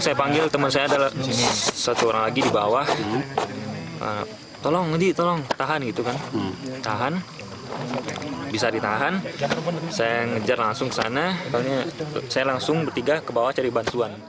saya langsung bertiga ke bawah cari bantuan